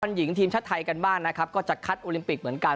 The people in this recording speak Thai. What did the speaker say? หญิงทีมชาติไทยกันบ้างนะครับก็จะคัดโอลิมปิกเหมือนกัน